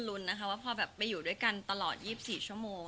ก็ตอนแรกเราก็ลุนนะคะว่าพอแบบไปอยู่ด้วยกันตลอด๒๔ชั่วโมง